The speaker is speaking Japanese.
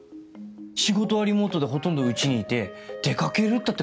仕事はリモートでほとんど家にいて出かけるったって